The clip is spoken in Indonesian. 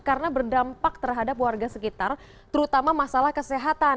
karena berdampak terhadap warga sekitar terutama masalah kesehatan